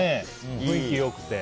雰囲気良くて。